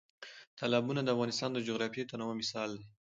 تالابونه د افغانستان د جغرافیوي تنوع مثال دی.